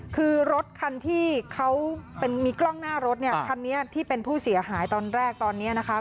คือรถคันที่เขามีกล้องหน้ารถเนี่ยคันนี้ที่เป็นผู้เสียหายตอนแรกตอนนี้นะคะ